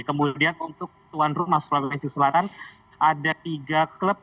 kemudian untuk tuan rumah sulawesi selatan ada tiga klub